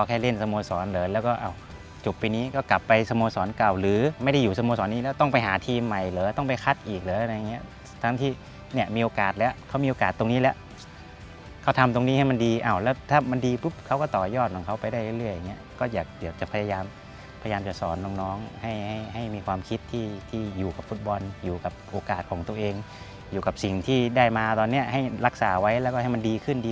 ต้องไปคัดอีกหรืออะไรอย่างนี้ทั้งที่เนี่ยมีโอกาสแล้วเขามีโอกาสตรงนี้แล้วเขาทำตรงนี้ให้มันดีเอาแล้วถ้ามันดีปุ๊บเขาก็ต่อยอดของเขาไปได้เรื่อยอย่างนี้ก็อยากเดี๋ยวจะพยายามพยายามจะสอนน้องให้มีความคิดที่ที่อยู่กับฟุตบอลอยู่กับโอกาสของตัวเองอยู่กับสิ่งที่ได้มาตอนนี้ให้รักษาไว้แล้วก็ให้มันดีขึ้นด